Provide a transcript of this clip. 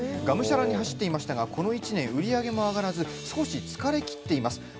がむしゃらに走っていましたがこの１年売り上げも上がらず少し疲れきっています。